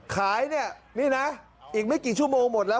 ขายเนี่ยนี่นะอีกไม่กี่ชั่วโมงหมดแล้ว